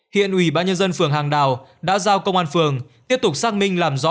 hiện ủy ban nhân dân phường hàng đào đã giao công an phường tiếp tục xác minh làm rõ